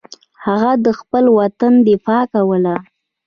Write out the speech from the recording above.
هغه د خپل وطن دفاع کوله.